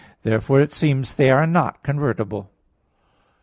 Therefore it seems they are not convertible.